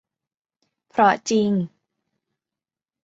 เพราะจริง